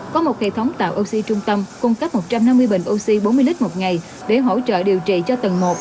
có một hệ thống tạo oxy trung tâm cung cấp một trăm năm mươi bình oxy bốn mươi lít một ngày để hỗ trợ điều trị cho tầng một